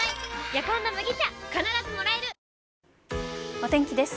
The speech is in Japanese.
お天気です。